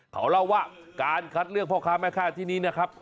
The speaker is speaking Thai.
เขาเล่าว่าการคัดเลือกพ่อค้าแม่ค้าที่นี้นะครับ